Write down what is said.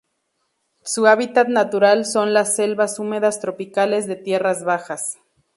Su hábitat natural son las selvas húmedas tropicales de tierras bajas.